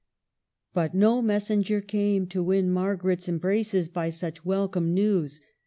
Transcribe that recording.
But no messenger came to win Margaret's embraces by such welcome news.